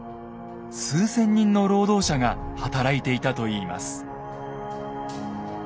数千人の労働者が働いていたといいます。